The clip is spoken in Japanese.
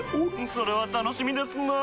それは楽しみですなぁ。